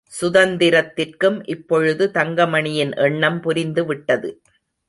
சுந்தரத்திற்கும் இப்பொழுது தங்கமணியின் எண்ணம் புரிந்துவிட்டது.